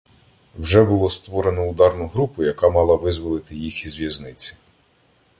Вже було створено ударну групу, яка мала визволити їх із в'язниці.